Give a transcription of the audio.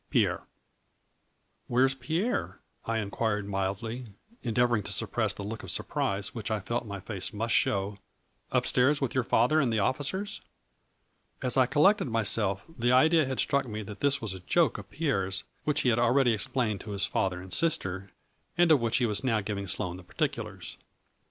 Pierre. A FLURRY IN DIAMONDS. 101 " Where is Pierre ?" I inquired mildly, en deavoring to suppress the look of surprise which I felt my face must show, " up stairs with your father and the officers ?" As I collected myself the idea had struck me that this was a joke of Pierre's which he had already explained to his father and sister, and of which he was now giving Sloane the par ticulars.